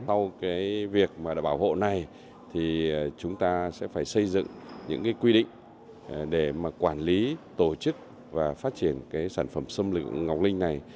sau việc bảo hộ này chúng ta sẽ phải xây dựng những quy định để quản lý tổ chức và phát triển sản phẩm sâm ngọc linh này